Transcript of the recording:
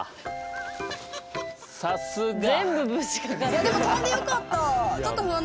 さすが！